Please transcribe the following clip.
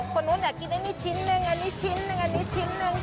คนนู้นอยากกินอันนี้ชิ้นนึงอันนี้ชิ้นหนึ่งอันนี้ชิ้นนึง